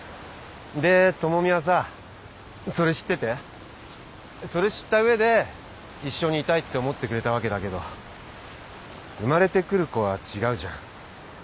で知美はさそれ知っててそれ知った上で一緒にいたいって思ってくれたわけだけど生まれてくる子は違うじゃん。